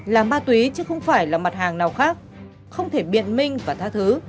làm ma tuyến chứ không phải là mặt hàng nào khác không thể biện minh và tha thứ